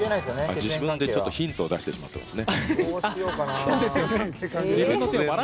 自分でちょっとヒントを出してしまっていますね。